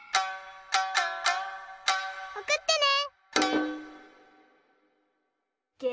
おくってね！